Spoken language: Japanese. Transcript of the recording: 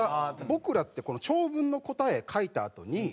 僕らって長文の答え書いたあとに。